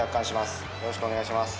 よろしくお願いします。